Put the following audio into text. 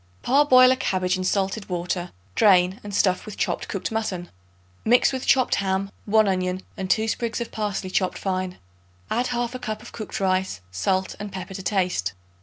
Parboil a cabbage in salted water; drain and stuff with chopped cooked mutton. Mix with chopped ham, 1 onion and 2 sprigs of parsley chopped fine. Add 1/2 cup of cooked rice, salt and pepper to taste.